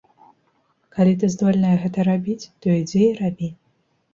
Калі ты здольная гэта рабіць, то ідзі і рабі.